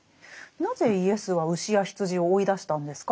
なぜイエスは牛や羊を追い出したんですか？